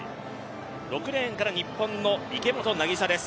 ６レーンから日本の池本凪沙です。